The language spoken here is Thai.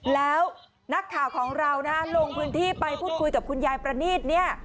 แล้วนักข่าวของเรานะฮะลงพื้นที่ไปพูดคุยกับคุณยายประนีตเนี่ย